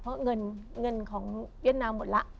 เพราะเงินของเวียดนามหมดแล้ว